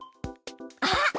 あっ！